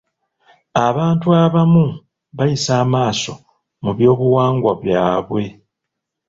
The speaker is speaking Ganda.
Abantu abamu bayisa amaaso mu by'obuwangwa byabwe.